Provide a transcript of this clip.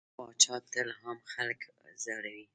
پاچا تل عام خلک ځوروي.